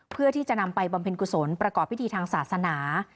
เพื่อที่จะนำไปบำเพ็ญกุศลประกอบพิธีทางศาสนา